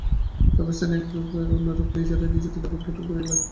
সব স্থানই একরূপ, কারণ আমরা নিজেরাই নিজেদের জগৎ গঠন করিয়া লই।